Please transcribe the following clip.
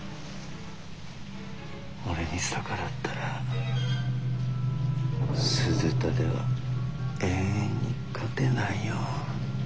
俺に逆らったら鈴田では永遠に勝てないよ。